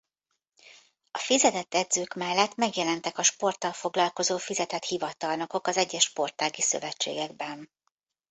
A fizetett edzők mellett megjelentek a sporttal foglalkozó fizetett hivatalnokok az egyes sportági szövetségekben.